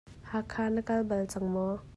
Hakha na kal bal cang maw?